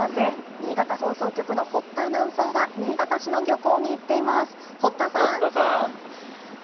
新潟放送局の堀田アナウンサーが新潟市の漁港に行っています。